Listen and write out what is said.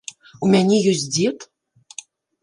У мяне ёсць дзед?